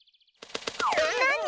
なに？